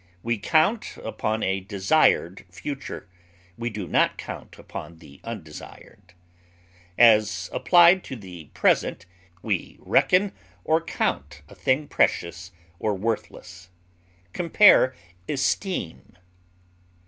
We count upon a desired future; we do not count upon the undesired. As applied to the present, we reckon or count a thing precious or worthless. Compare ESTEEM.